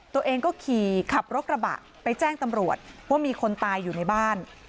ตัวเองก็ขี่ขับรถกระบะไปแจ้งตำรวจว่ามีคนตายอยู่ในบ้าน